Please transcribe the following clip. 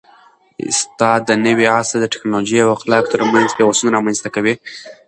استاد د نوي عصر د ټیکنالوژۍ او اخلاقو ترمنځ پیوستون رامنځته کوي.